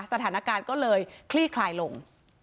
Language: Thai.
สถานการณ์ก็เลยคลี่คลายลง